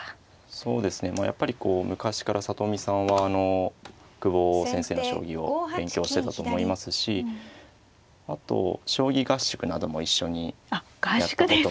そうですねまあやっぱりこう昔から里見さんはあの久保先生の将棋を勉強してたと思いますしあと将棋合宿なども一緒にやったことも。